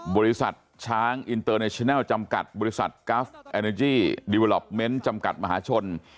บริษัทช้างอินเตอร์เนชินัลจำกัดบริษัทกราฟแอเนจี้ดิเวอล็อปเมนต์จำกัดมหาชน